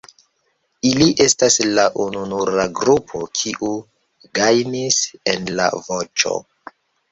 Ili estas la ununura grupo kiu gajnis en La Voĉo.